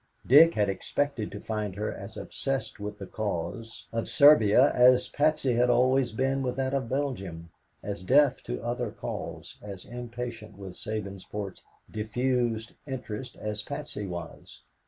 Dick had expected to find her as obsessed with the cause of Serbia as Patsy had always been with that of Belgium, as deaf to other calls, as impatient with Sabinsport's diffused interest as Patsy was.